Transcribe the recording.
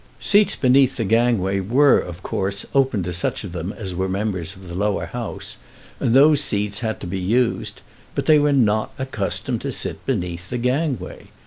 Seats beneath the gangway were, of course, open to such of them as were members of the Lower House, and those seats had to be used; but they were not accustomed to sit beneath the gangway.